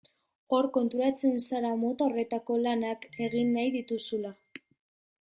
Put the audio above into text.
Hor konturatzen zara mota horretako lanak egin nahi dituzula.